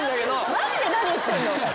マジで何言ってんの？